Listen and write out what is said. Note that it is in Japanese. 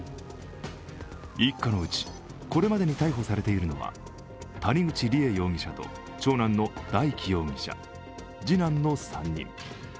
一家のうち、これまでに逮捕されているのは谷口梨恵容疑者と長男の大祈容疑者、次男の３人。